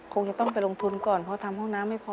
คงจะต้องไปลงทุนก่อนเพราะทำห้องน้ำไม่พอ